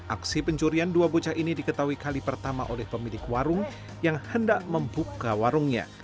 aksi pencurian dua bocah ini diketahui kali pertama oleh pemilik warung yang hendak membuka warungnya